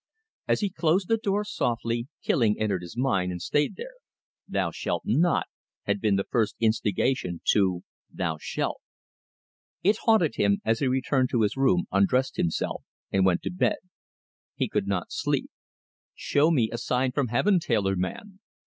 As he closed the door softly, killing entered his mind and stayed there. "Thou shalt not" had been the first instigation to "Thou shalt." It haunted him as he returned to his room, undressed himself, and went to bed. He could not sleep. "Show me a sign from Heaven, tailor man!"